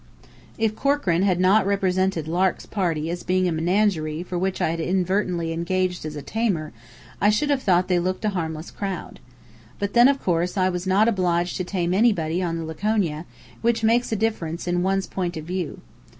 If Corkran had not represented "Lark's Party" as being a menagerie for which I had inadvertently engaged as tamer, I should have thought they looked a harmless crowd. But then, of course, I was not obliged to tame anybody on the Laconia, which makes a difference in one's point of view.